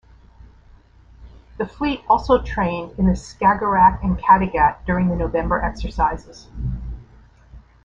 The fleet also trained in the Skagerrak and Kattegat during the November exercises.